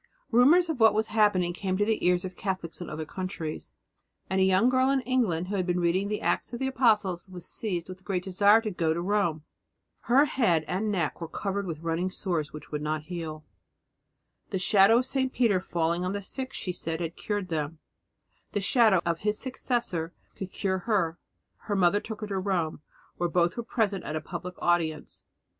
Rumours of what was happening came to the ears of Catholics in other countries, and a young girl in England who had been reading the Acts of the Apostles was seized with a great desire to go to Rome. Her head and neck were covered with running sores which would not heal. The shadow of St. Peter falling on the sick, she said, had cured them; the shadow of his successor would cure her. Her mother took her to Rome, where both were present at a public audience.